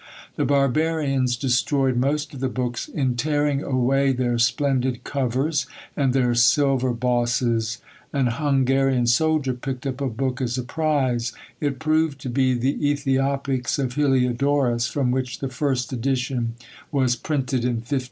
The barbarians destroyed most of the books in tearing away their splendid covers and their silver bosses; an Hungarian soldier picked up a book as a prize: it proved to be the Ethiopics of Heliodorus, from which the first edition was printed in 1534.